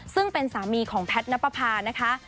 ซึ่งเป็นสามีของแพทนปภานะคะ